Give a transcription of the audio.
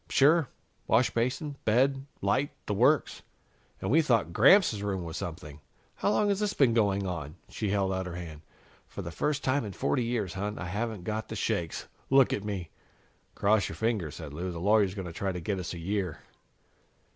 "Sure. Washbasin, bed, light the works. And we thought Gramps' room was something. How long has this been going on?" She held out her hand. "For the first time in forty years, hon, I haven't got the shakes look at me!" "Cross your fingers," said Lou. "The lawyer's going to try to get us a year."